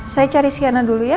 saya cari siana dulu ya